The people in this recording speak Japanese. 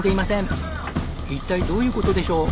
一体どういう事でしょう？